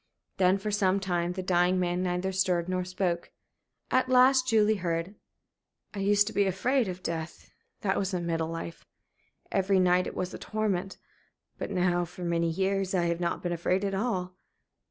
Then, for some little time, the dying man neither stirred nor spoke. At last Julie heard: "I used to be afraid of death that was in middle life. Every night it was a torment. But now, for many years, I have not been afraid at all....